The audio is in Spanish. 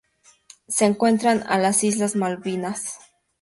Se encuentran en las Islas Malvinas.